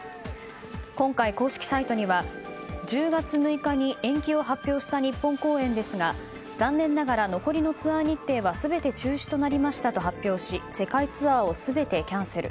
今回、公式サイトには１０月６日に延期を発表した日本公演ですが残念ながら残りのツアー日程は全て中止となりましたと発表し世界ツアーを全てキャンセル。